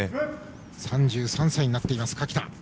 ３３歳になっています垣田。